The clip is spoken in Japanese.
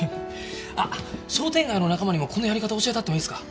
あっ商店街の仲間にもこのやり方教えたってもいいですか？